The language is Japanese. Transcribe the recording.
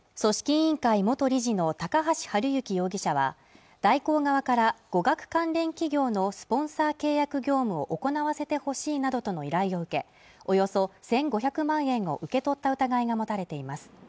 委員会元理事の高橋治之容疑者は大広側から語学関連企業のスポンサー契約業務を行わせてほしいなどとの依頼を受けおよそ１５００万円を受け取った疑いが持たれています